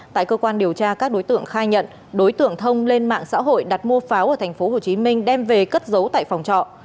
tại cơ quan điều tra các đối tượng khai nhận đối tượng thông lên mạng xã hội đặt mua pháo ở tp hcm đem về cất giấu tại phòng trọ